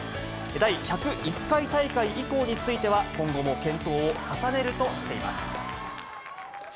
第１０１回大会以降については、今後も検討を重ねるとしています。